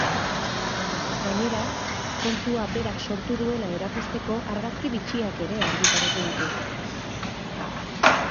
Gainera, kontua berak sortu duela erakusteko argazki bitxiak ere argitaratu ditu.